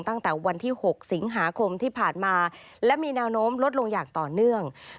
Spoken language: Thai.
ตั้งแต่วันที่๖สิงหาคมที่ผ่านมาและมีแนวโน้มลดลงอย่างต่อเนื่อง